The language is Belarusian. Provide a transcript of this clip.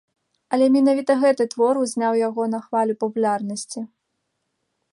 Але менавіта гэты твор узняў яго на хвалю папулярнасці.